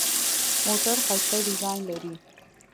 موټر ښایسته ډیزاین لري.